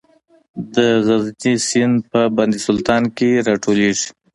د غزني سیند په بند سلطان کې راټولیږي